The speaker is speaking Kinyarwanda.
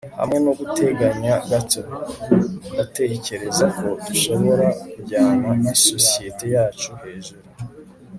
hamwe noguteganya gato, ndatekereza ko dushobora kujyana isosiyete yacu hejuru